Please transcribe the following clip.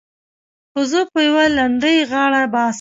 خو زه په يوه لنډۍ غاړه باسم.